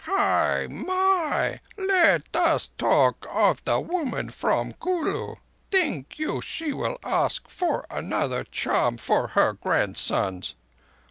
"Hai! hai! Let us talk of the woman from Kulu. Think you she will ask another charm for her grandsons?